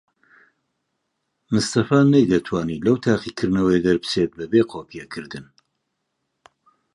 مستەفا نەیدەتوانی لەو تاقیکردنەوەیە دەربچێت بەبێ قۆپیەکردن.